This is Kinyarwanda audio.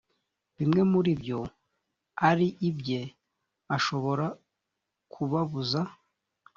bimwe muri byo ari ibye ashobora kubabuza